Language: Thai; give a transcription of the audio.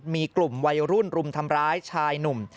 มีกลุ่มวัยรุ่นรุมทำร้ายชายหนุ่ม